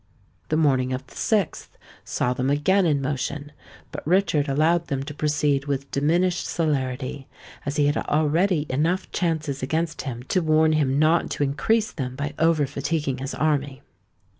The morning of the 6th saw them again in motion; but Richard allowed them to proceed with diminished celerity, as he had already enough chances against him to warn him not to increase them by over fatiguing his army.